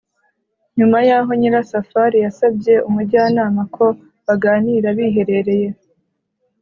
nyuma yaho nyirasafari yasabye umujyanama ko baganira biherereye ;